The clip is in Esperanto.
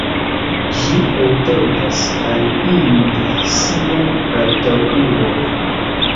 Ĝi etendas al iuj siaj antaŭurboj.